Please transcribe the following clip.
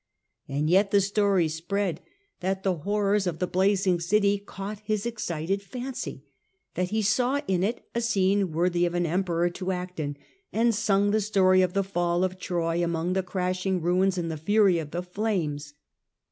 And yet the story spread that the horrors of the blazing city caught his excited The strange fancy, that he saw in it a scene worthy of an hiTcoit^ Emperor to act in, and sung the story of the diict, fall of Troy among the crashing ruins and the fury of the flames.